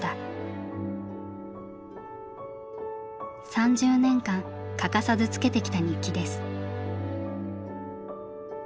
３０年間欠かさずつけてきた日記です。